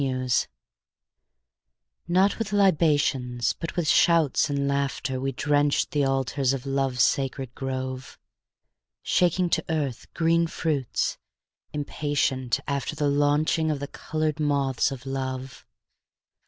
III Not with libations, but with shouts and laughter We drenched the altars of Love's sacred grove, Shaking to earth green fruits, impatient after The launching of the colored moths of Love.